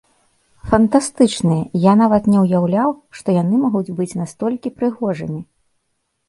Фантастычныя, я нават не ўяўляў, што яны могуць быць настолькі прыгожымі.